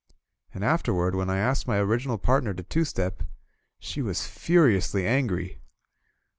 And.afterward, when I asked my original partner to two step, she was furiously angry.